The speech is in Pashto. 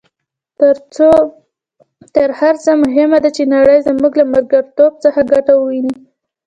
تر هر څه مهمه ده چې نړۍ زموږ له ملګرتوب څخه ګټه وویني.